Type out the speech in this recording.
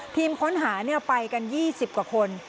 ทีมค้นหาไปกัน๒๐กว่าคน